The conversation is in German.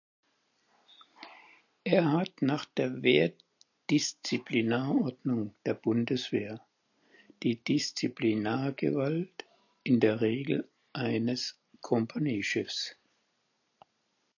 Er hat nach der Wehrdisziplinarordnung der Bundeswehr die Disziplinargewalt in der Regel eines Kompaniechefs.